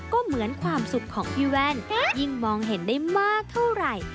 ก็เหมือนความสุขของพี่แว่นยิ่งมองเห็นได้มากเท่าไหร่